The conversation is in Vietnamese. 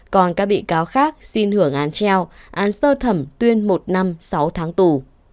còn các bị cáo khác xin hưởng án treo án sơ thẩm tuyên một năm sáu tháng tù